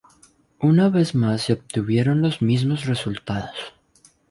Una vez más se obtuvieron los mismos resultados.